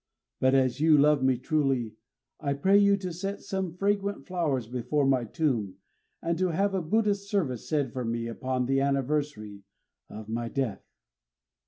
But as you love me truly, I pray you to set some fragrant flowers before my tomb, and to have a Buddhist service said for me upon the anniversary of my death."